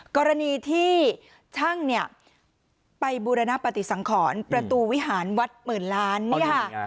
กรณีที่ช่างเนี่ยไปบูรณปฏิสังขรประตูวิหารวัดหมื่นล้านเนี่ยค่ะ